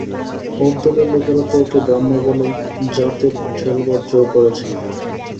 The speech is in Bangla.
ওর দলের লোকেরা তো ওকে ব্রাহ্ম বলে জাতে ঠেলবার জো করেছে।